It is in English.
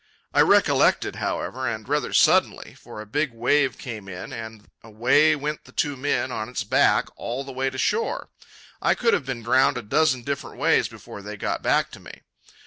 I recollected, however, and rather suddenly, for a big wave came in, and away went the two men on its back all the way to shore. I could have been drowned a dozen different ways before they got back to me.